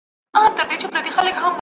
اقتصادي پرمختيا خلګو ته هوساینه راوړه.